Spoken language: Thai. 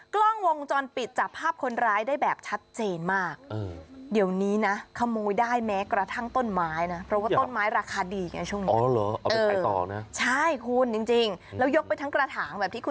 กล้องวงจรปิดจับภาพคนร้ายได้แบบชัดเจนมาก